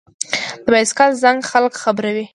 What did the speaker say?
د بایسکل زنګ خلک خبروي.